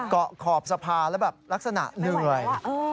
ขอบสะพานแล้วแบบลักษณะเหนื่อย